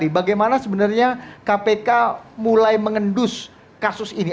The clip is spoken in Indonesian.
bagaimana sebenarnya kpk mulai mengendus kasus ini